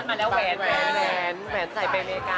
อันนี้คือหวังรวยหรือหวังแต่งคะ